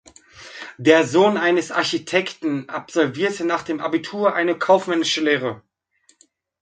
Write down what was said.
Der Sohn eines Architekten absolvierte nach dem Abitur eine kaufmännische Lehre.